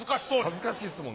恥ずかしいですもんね。